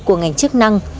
của ngành chức năng